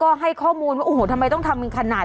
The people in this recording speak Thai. เปิดไฟขอทางออกมาแล้วอ่ะ